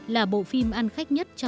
là bộ phim ăn khách nhất trong thế giới